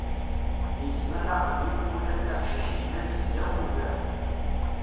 Di zzman aqdim, ula d leḥcic yella zegzaw ugar.